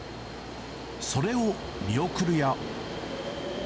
それを見送るや。